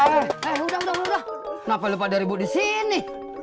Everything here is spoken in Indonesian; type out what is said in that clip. kenapa lu pada ribut di sini